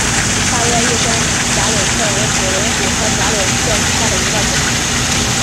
大叶玉山假瘤蕨为水龙骨科假瘤蕨属下的一个种。